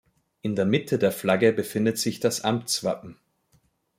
In der Mitte der Flagge befindet sich das Amtswappen.